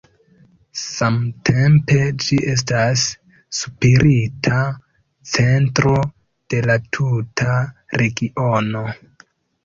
Samtempe ĝi estas spirita centro de la tuta regiono.